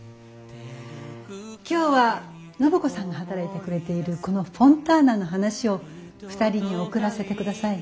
今日は暢子さんが働いてくれているこのフォンターナの話を二人に贈らせてください。